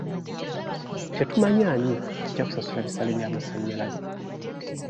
Tetumanyi ani ajja okusasula bisale by'amasannyalaze .